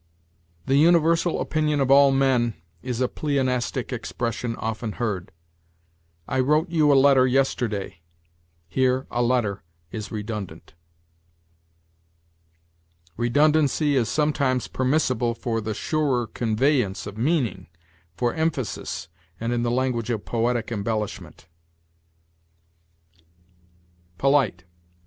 "The universal opinion of all men" is a pleonastic expression often heard. "I wrote you a letter yesterday": here a letter is redundant. Redundancy is sometimes permissible for the surer conveyance of meaning, for emphasis, and in the language of poetic embellishment. POLITE.